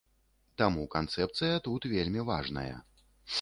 Таму канцэпцыя тут вельмі важная.